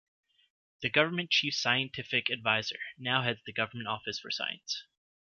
The Government Chief Scientific Advisor now heads the Government Office for Science.